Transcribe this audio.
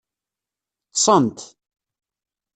Ṭṭṣent.